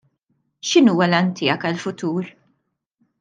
X'inhuwa l-għan tiegħek għall-futur?